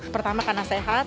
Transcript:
pertama karena sehat